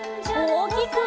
おおきく！